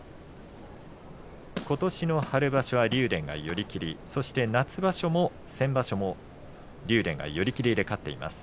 ことしの春場所は竜電が寄り切りで勝ち夏場所も先場所も竜電が寄り切りで勝っています。